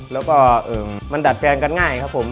แล้วก็มันดัดแปลงกันง่ายครับผม